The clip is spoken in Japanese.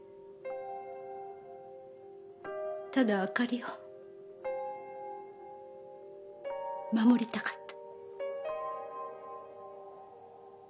ただ朱莉を守りたかった。